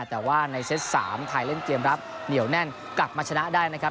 แต่ว่าในเซต๓ไทยเล่นเกมรับเหนียวแน่นกลับมาชนะได้นะครับ